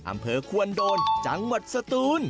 อำเภอควนโดนจังหวัดสตูน